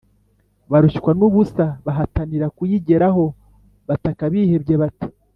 ; barushywa n’ubusa bahatanira kuyigeraho. Bataka bihebye bati